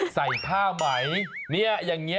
ใส่ผ้าไหมเนี่ยอย่างนี้